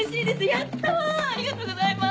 やったありがとうございます！